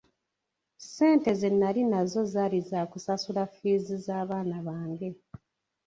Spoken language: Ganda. Ssente ze nali nazo zaali za kusasula ffiizi z'abaana bange.